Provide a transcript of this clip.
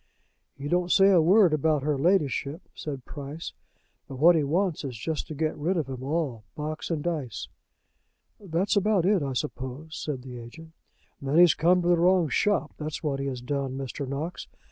"He don't say a word about her ladyship," said Price; "but what he wants is just to get rid of 'em all, box and dice." "That's about it, I suppose," said the agent. "Then he's come to the wrong shop, that's what he has done, Mr. Knox.